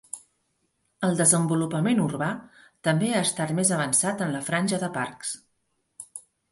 El desenvolupament urbà també ha estat més avançat en la franja de parcs.